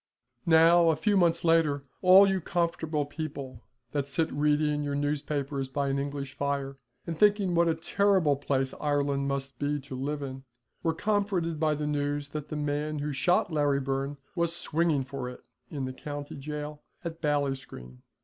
Now a few months later all you comfortable people that sit reading your newspapers by an English fire, and thinking what a terrible place Ireland must be to live in, were comforted by the news that the man who shot Larry Byrne was swinging for it in the county jail at Ballinscreen.